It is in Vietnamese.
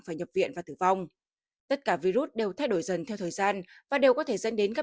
phải nhập viện và tử vong tất cả virus đều thay đổi dần theo thời gian và đều có thể dẫn đến các